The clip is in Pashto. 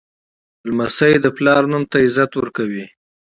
لمسی د پلار نوم ته عزت ورکوي.